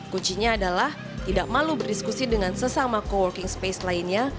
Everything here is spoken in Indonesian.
kuncinya adalah tidak malu berdiskusi dengan sesama co working space lainnya